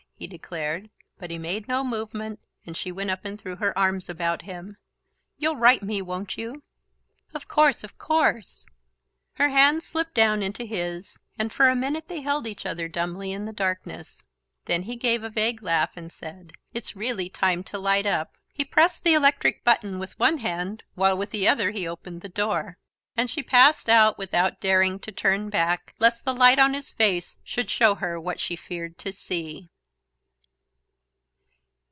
he declared; but he made no movement, and she went up and threw her arms about him. "You'll write me, won't you?" "Of course, of course " Her hands slipped down into his, and for a minute they held each other dumbly in the darkness; then he gave a vague laugh and said: "It's really time to light up." He pressed the electric button with one hand while with the other he opened the door; and she passed out without daring to turn back, lest the light on his face should show her what she feared to see.